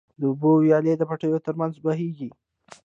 د اوبو وياله د پټيو تر منځ بهيږي.